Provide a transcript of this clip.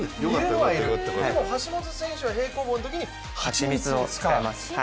でも橋本選手は、平行棒のときにはちみつを使います。